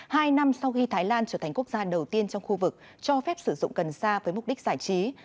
hai năm sau khi thái lan trở thành quốc gia đầu tiên trong khu vực cho phép sử dụng cần sa với mục đích giải trí